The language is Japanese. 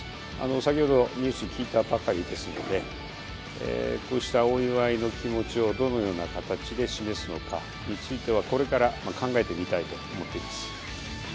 先ほどニュース聞いたばかりですので、こうしたお祝いの気持ちをどのような形で示すのかについては、これから考えてみたいと思っています。